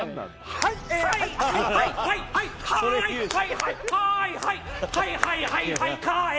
はいはいはいはい帰れ！